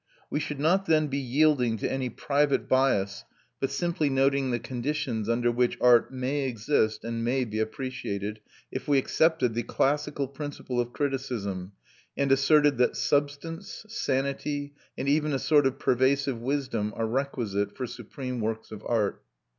We should not then be yielding to any private bias, but simply noting the conditions under which art may exist and may be appreciated, if we accepted the classical principle of criticism and asserted that substance, sanity, and even a sort of pervasive wisdom are requisite for supreme works of art.